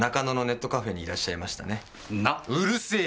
うるせーよ！